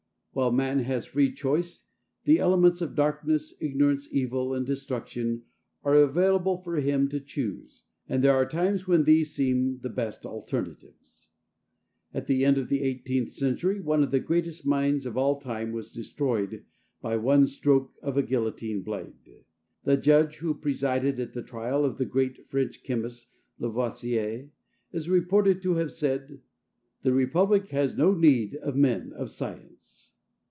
While man has free choice, the elements of darkness, ignorance, evil and destruction are available for him to choose, and there are times when these seem the best alternatives. At the end of the 18th century one of the greatest minds of all time was destroyed by one stroke of a guillotine blade. The judge who presided at the trial of the great French chemist Lavoisier is reported to have said, "The Republic has no need of men of science."